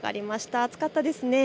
暑かったですね。